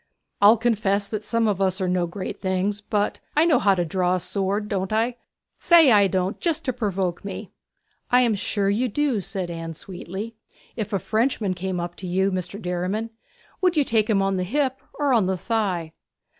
I'll confess that some of us are no great things: but I know how to draw a sword, don't I? say I don't just to provoke me.' 'I am sure you do,' said Anne sweetly. 'If a Frenchman came up to you, Mr. Derriman, would you take him on the hip, or on the thigh?'